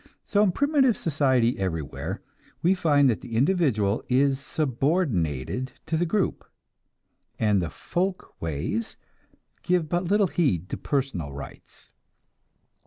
So in primitive society everywhere, we find that the individual is subordinated to the group, and the "folkways" give but little heed to personal rights.